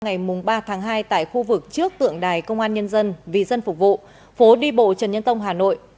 ngày ba tháng hai tại khu vực trước tượng đài công an nhân dân vì dân phục vụ phố đi bộ trần nhân tông hà nội